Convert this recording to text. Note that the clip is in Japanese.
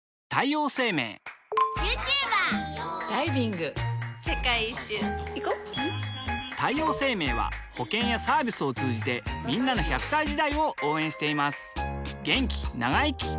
女性 ２） 世界一周いこ太陽生命は保険やサービスを通じてんなの１００歳時代を応援しています